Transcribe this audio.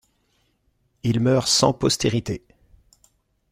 Il meurt sans postérité.